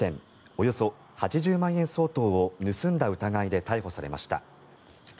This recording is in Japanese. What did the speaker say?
およそ８０万円相当を盗んだ疑いで逮捕されました。